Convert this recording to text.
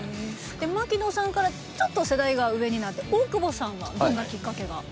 槙野さんからちょっと世代が上になって大久保さんはどんなきっかけが？